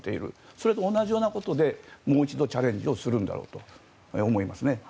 それと同じようなことでもう一度チャレンジをするんだろうと思います。